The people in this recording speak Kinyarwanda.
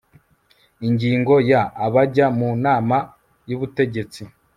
ingingo ya abajya mu nama y ubutegetsi